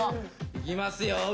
いきますよ。